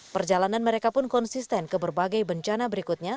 perjalanan mereka pun konsisten ke berbagai bencana berikutnya